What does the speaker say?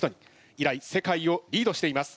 以来世界をリードしています。